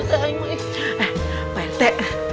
eh pak rete